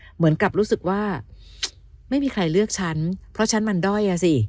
เหมือนกับรู้สึกว่าไม่มีใครเลือกฉันเพราะฉันมันด้อยอ่ะสิ